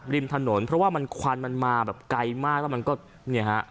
ริมถนนเพราะว่ามันควันมันมาแบบไกลมากแล้วมันก็เนี่ยฮะ